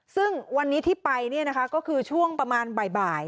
ซึ่งวันนี้ที่ไปก็คือช่วงประมาณบ่าย